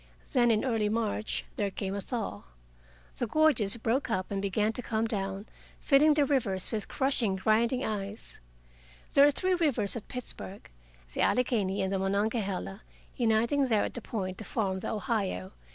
Then, in early March, there came a thaw. The gorges broke up and began to come down, filling the rivers with crushing grinding ice. There are three rivers at Pittsburgh, the Allegheny and the Monongahela uniting there at the Point to form the Ohio.